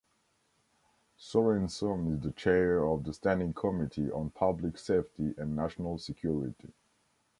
Sorenson is the chair of the Standing Committee on Public Safety and National Security.